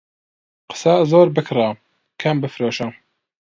قسە زۆر بکڕە، کەم بفرۆشە.